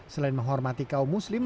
selain menghormati kaum muslim